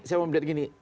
saya mau melihat gini